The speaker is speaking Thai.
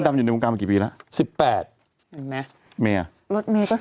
ดำอยู่ในวงการมากี่ปีแล้วสิบแปดเห็นไหมเมียรถเมย์ก็สิบ